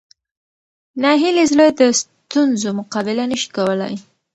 ناهیلي زړه د ستونزو مقابله نه شي کولی.